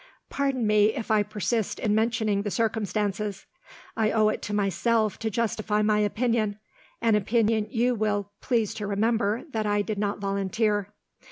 Pardon me if I persist in mentioning the circumstances. I owe it to myself to justify my opinion an opinion, you will please to remember, that I did not volunteer.